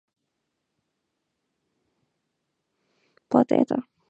Quarteto